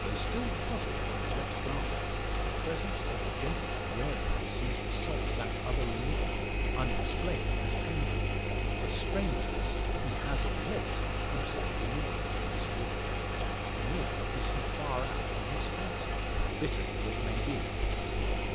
Though still puzzled by the wet garments, the presence of the gentleman wearing them seems to solve that other enigma, unexplained as painful the strangeness he has of late observed in the ways of Miss Wynn. Nor is he far out in his fancy, bitter though it be.